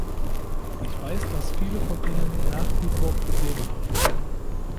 Ich weiß, dass viele von ihnen nach wie vor Probleme haben.